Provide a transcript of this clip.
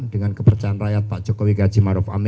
dengan kebercayaan rakyat pak jokowi gajimarova